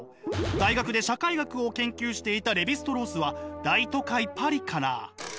大学で社会学を研究していたレヴィ＝ストロースは大都会パリから。